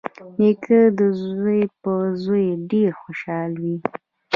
نیکه د زوی په زوی ډېر خوشحال وي.